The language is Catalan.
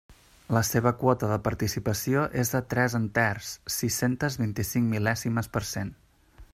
La seva quota de participació és de tres enters, sis-centes vint-i-cinc mil·lèsimes per cent.